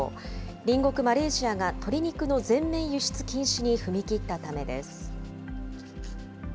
隣国マレーシアが鶏肉の全面輸出禁止に踏み切ったためです。